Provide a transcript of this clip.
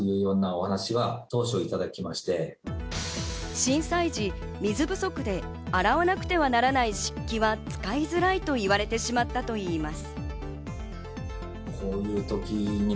震災時、水不足で洗わなくてはならない漆器は使いづらいと言われてしまったといいます。